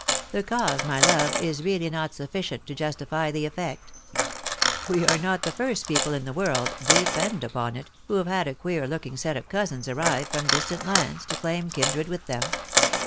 The cause, my love, is really not sufficient to justify the effect. We are not the first people in the world, depend upon it, who have had a queer looking set of cousins arrive from distant lands to claim kindred with them.